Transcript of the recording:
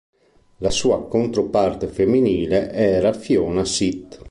La sua controparte femminile era Fiona Sit.